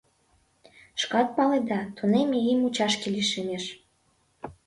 Шкат паледа, тунемме ий мучашке лишемеш.